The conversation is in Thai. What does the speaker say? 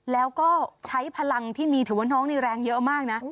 แล้วก็ใช้พลังที่มีถือว่าน้องนี่แรงเยอะมากนะ